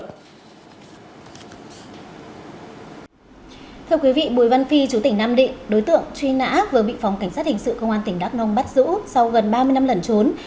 thưa quý vị bùi văn phi chủ tỉnh nam định đối tượng truy nã vừa bị phòng cảnh sát hình sự công an tỉnh đắk nông bắt giữ sau gần ba mươi năm lẩn trốn